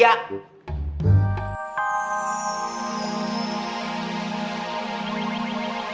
kau mau ngapain